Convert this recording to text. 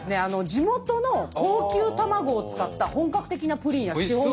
地元の高級卵を使った本格的なプリンやシフォンケーキが。